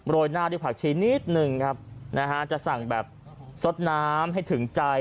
ยหน้าด้วยผักชีนิดนึงครับนะฮะจะสั่งแบบสดน้ำให้ถึงใจ